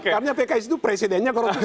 karena pks itu presidennya